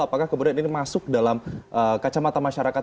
apakah kemudian ini masuk dalam kacamata masyarakat